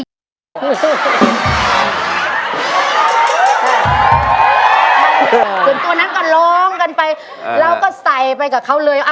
ส่วนตัวนั้นก็ร้องกันไปเราก็ใส่ไปกับเขาเลย